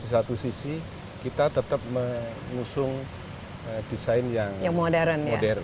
di satu sisi kita tetap mengusung desain yang modern